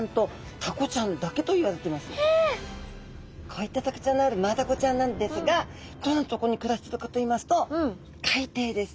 こういったとくちょうのあるマダコちゃんなんですがどんなとこに暮らしてるかといいますと海底です。